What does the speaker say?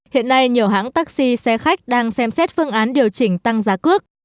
hiện nay nhiều hãng taxi xe khách đang xem xét phương án điều chỉnh tăng giá cước